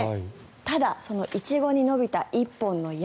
ただ、そのイチゴに伸びた１本の矢。